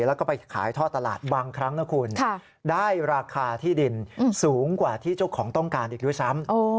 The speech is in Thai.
แล้วก็ไปขายท่อตลาดบางครั้งนะคุณได้ราคาที่ดินสูงกว่าที่เจ้าของต้องการอีกด้วยซ้ำ